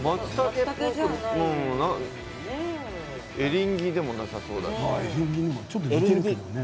エリンギでもなさそう。